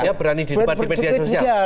dia berani di depan media sosial